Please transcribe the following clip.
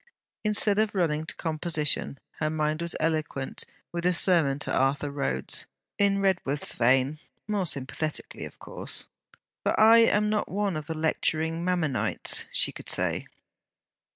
Instead of running to composition, her mind was eloquent with a sermon to Arthur Rhodes, in Redworth's vein; more sympathetically, of course. 'For I am not one of the lecturing Mammonites!' she could say.